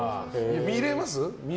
見れます？